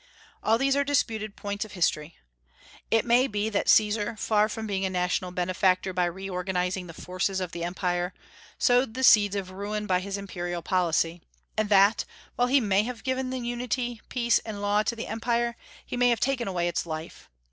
All these are disputed points of history. It may be that Caesar, far from being a national benefactor by reorganizing the forces of the Empire, sowed the seeds of ruin by his imperial policy; and that, while he may have given unity, peace, and law to the Empire, he may have taken away its life.